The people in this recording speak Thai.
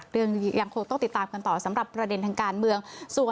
ยังคงต้องติดตามกันต่อสำหรับประเด็นทางการเมือง